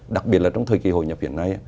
đặc biệt là trong thời kỳ hội nhập hiện nay